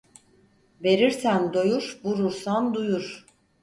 Verirsen doyur, vurursan duyur.